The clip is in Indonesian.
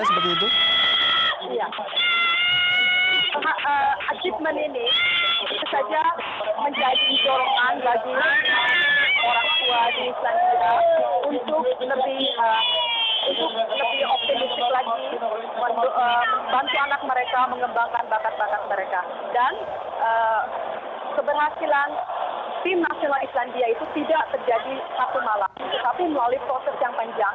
tapi melalui proses yang panjang